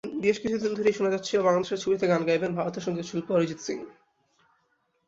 বেশ কিছুদিন ধরেই শোনা যাচ্ছিল, বাংলাদেশের ছবিতে গান গাইবেন ভারতের সংগীতশিল্পী অরিজিৎ সিং।